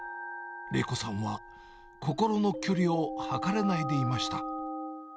玲子さんは心の距離をはかれないでいました。